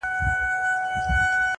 نور یې نه کول د مړو توهینونه!.